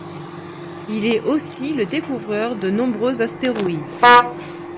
Il est aussi le découvreur de nombreux astéroïdes.